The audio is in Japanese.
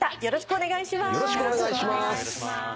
よろしくお願いします！